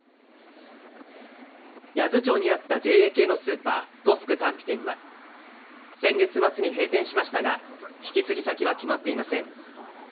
八頭町にあったＪＡ系のスーパートスク丹比店は先月末に閉店しましたが引き継ぎ先は決まっていません。